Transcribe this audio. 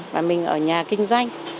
mà mình ở nhà kinh doanh